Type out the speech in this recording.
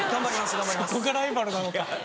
そこがライバルなのか。